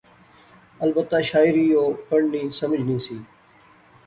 البتہ شاعری او پڑھنی، سمجھنی سی